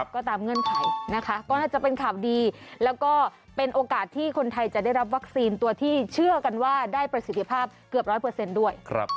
ก็ตามเงื่อนไขนะคะก็น่าจะเป็นข่าวดีแล้วก็เป็นโอกาสที่คนไทยจะได้รับวัคซีนตัวที่เชื่อกันว่าได้ประสิทธิภาพเกือบ๑๐๐ด้วย